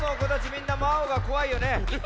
みんな「ワオ！」がこわいよね。